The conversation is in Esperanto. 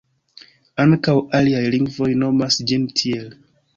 Ankaŭ aliaj lingvoj nomas ĝin tiel.